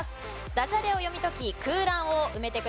ダジャレを読み解き空欄を埋めてください。